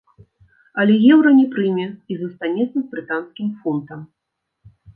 Але еўра не прыме і застанецца з брытанскім фунтам.